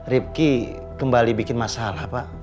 ripki kembali bikin masalah pak